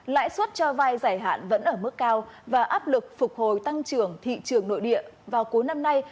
lãi suất cho vai giải hạn vẫn ở mức cao và áp lực phục hồi tăng trưởng thị trường nội địa vào cuối năm nay